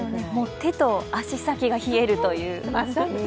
手と足先が冷えるという。